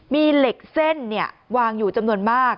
มีเหล็กเส้นวางอยู่จำนวนมาก